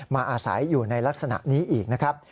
อาศัยอยู่ในลักษณะนี้อีกนะครับ